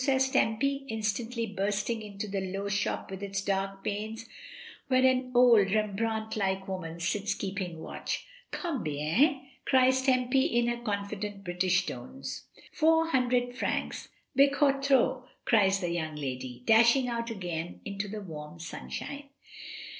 says Tempy, instantly bursting into the low shop with its dark panes, where an old Rembrandt like woman sits keeping watch. "Combten?" cries Tempy, in her confident British tones. "Four hundred francs!" ^*Bocoo tro/" cries the young lady, dashing out again into the warm sun shine.